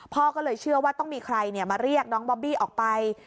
พ่อก็เลยเชื่อว่าต้องมีใครมาเรียกน้องบอบบี้ออกไป